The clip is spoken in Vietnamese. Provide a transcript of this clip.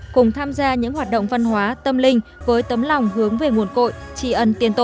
cùng tham gia những hoạt động văn hóa tâm linh với tấm lòng hướng về nguồn cội tri ân tiên tổ